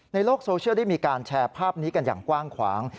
ในโลกโซเชียลได้มีการแชร์ภาพนี้กันอย่างกว้างขวาง